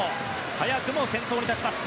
早くも先頭に立ちます。